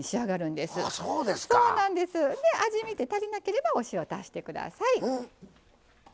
で味見て足りなければお塩足してください。